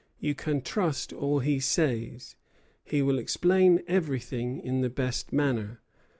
You can trust all he says. He will explain everything in the best manner.